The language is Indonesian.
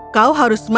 kau harus meminta